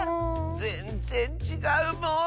ぜんぜんちがうもん！